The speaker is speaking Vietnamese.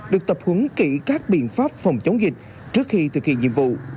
được tập huấn kỹ các biện pháp phòng chống dịch trước khi thực hiện nhiệm vụ